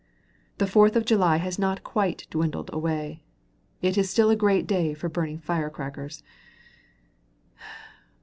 The Fourth of July has not quite dwindled away; it is still a great day for burning fire crackers!